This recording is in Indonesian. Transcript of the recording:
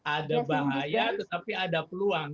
ada bahaya tetapi ada peluang